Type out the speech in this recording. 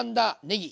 ねぎ